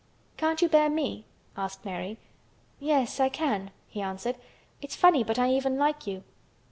"Can't you bear me?" asked Mary. "Yes, I can," he answered. "It's funny but I even like you."